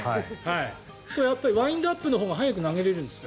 これはワインドアップのほうが速く投げられるんですか？